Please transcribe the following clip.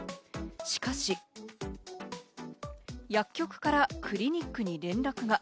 しかし、薬局からクリニックに連絡が。